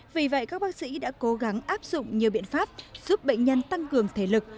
vì vậy các bác sĩ đã cố gắng áp dụng nhiều biện pháp giúp bệnh nhân tăng cường thể lực